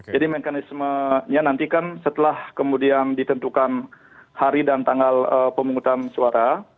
jadi mekanismenya nantikan setelah kemudian ditentukan hari dan tanggal pemungutan suara